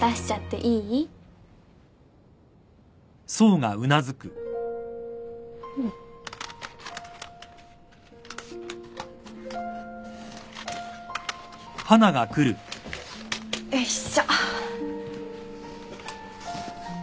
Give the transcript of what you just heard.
よいしょ。